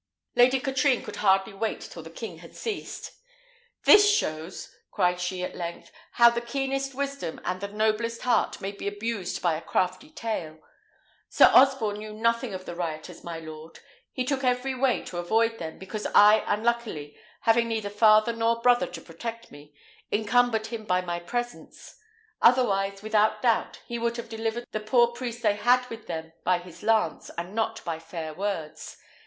Lady Katrine could hardly wait till the king had ceased. "This shows," cried she at length, "how the keenest wisdom and the noblest heart may be abused by a crafty tale. Sir Osborne knew nothing of the rioters, my lord: he took every way to avoid them, because I, unluckily, having neither father nor brother to protect me, encumbered him by my presence; otherwise, without doubt, he would have delivered the poor priest they had with them by his lance, and not by fair words.